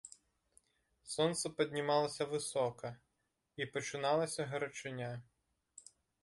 Сонца паднімалася высока, і пачыналася гарачыня.